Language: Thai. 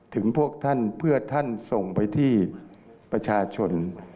ถึงพวกท่านเพื่อท่านส่งไปที่ประชาชน